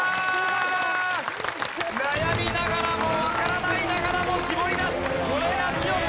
悩みながらもわからないながらも絞り出すこれが強さ。